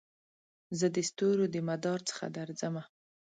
زه دستورو دمدار څخه درځمه